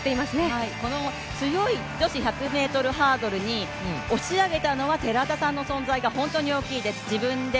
この強い女子１００ｍハードルに押し上げたのは、寺田さんの存在が本当に大きいです。